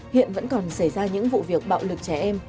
hiện vẫn còn xảy ra những vụ việc bạo lực trẻ em